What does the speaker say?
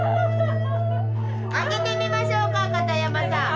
開けてみましょうか片山さん。